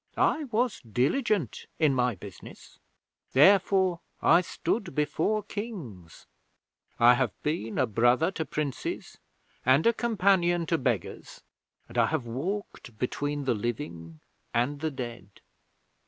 I was diligent in my business. Therefore I stood before Kings. I have been a brother to Princes and a companion to beggars, and I have walked between the living and the dead.